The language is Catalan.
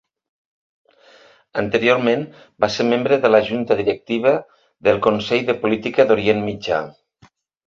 Anteriorment va ser membre de la Junta Directiva del Consell de Política d'Orient Mitjà.